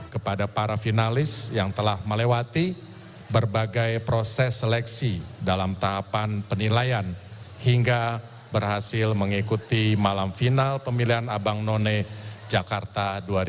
kepada para finalis yang telah melewati berbagai proses seleksi dalam tahapan penilaian hingga berhasil mengikuti malam final pemilihan abang none jakarta dua ribu dua puluh